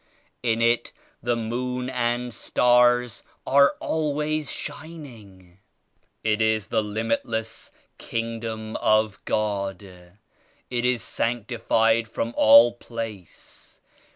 In it the Moon and Stars are always shining. It is the limitless Kingdom of God. It is sanctified from all place.